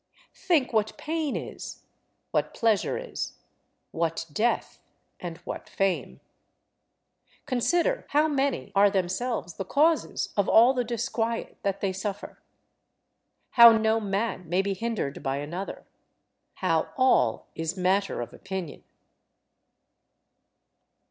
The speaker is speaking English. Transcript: Think what pain is, what pleasure is, what death, and what fame. Consider how many are themselves the causes of all the disquiet that they suffer; how no man may be hindered by another; how all is matter of opinion.